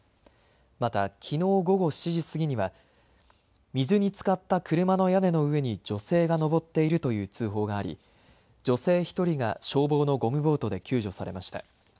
また、きのう午後７時過ぎには水につかった車の屋根の上に女性が上っているという通報があり、女性１人が消防のゴムボートで救助されました。